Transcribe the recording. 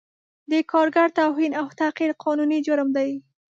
د کارګر توهین او تحقیر قانوني جرم دی